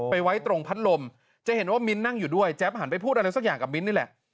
ไว้ตรงพัดลมจะเห็นว่ามิ้นนั่งอยู่ด้วยแจ๊บหันไปพูดอะไรสักอย่างกับมิ้นท์นี่แหละ